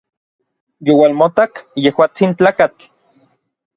Youalmotak yejuatsin tlakatl.